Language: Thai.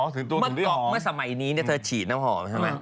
เมื่อสมัยนี้เธอฉีดน้ำหอมใช่มั้ย